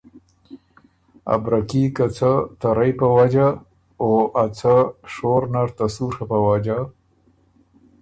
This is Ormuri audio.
ا برکي که څۀ ته رئ په وجه او ا څۀ شور نر ته سُوڒه په وجه